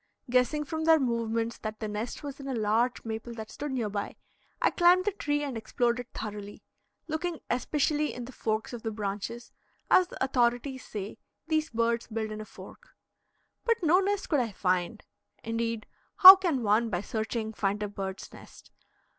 Guessing from their movements that the nest was in a large maple that stood near by, I climbed the tree and explored it thoroughly, looking especially in the forks of the branches, as the authorities say these birds build in a fork. But no nest could I find. Indeed, how can one by searching find a bird's nest?